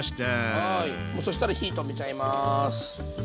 はいそしたら火止めちゃいます。